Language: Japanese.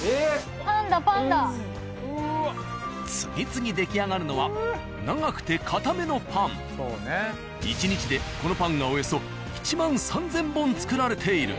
次々出来上がるのは１日でこのパンがおよそ１万３０００本作られている。